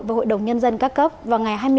và hội đồng nhân dân các cấp vào ngày hai mươi ba